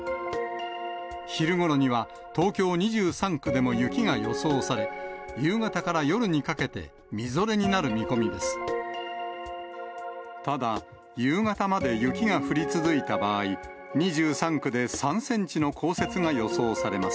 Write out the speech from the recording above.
昼ごろには、東京２３区でも雪が予想され、夕方から夜にかけて、みぞれになる見込みです。